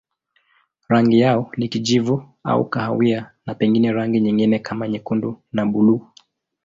Rangi yao ni kijivu au kahawia na pengine rangi nyingine kama nyekundu na buluu.